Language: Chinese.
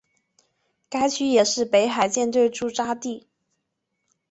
该区也是北海舰队驻扎地。